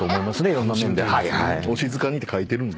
いろんな面で。